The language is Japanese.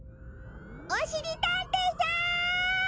おしりたんていさん！